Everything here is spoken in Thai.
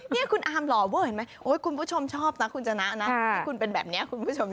นี่คุณอาร์มหล่อเว้ยเห็นไหม